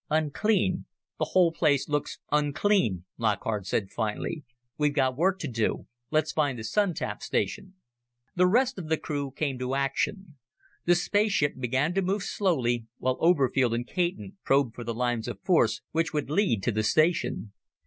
"Unclean, the whole place looks unclean," Lockhart said finally. "We've got work to do. Let's find the Sun tap station." The rest of the crew came to action. The spaceship began to move slowly, while Oberfield and Caton probed for the lines of force which would lead to the station.